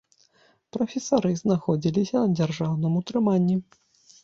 Прафесары знаходзіліся на дзяржаўным утрыманні.